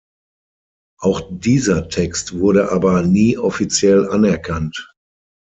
Auch dieser Text wurde aber nie offiziell anerkannt.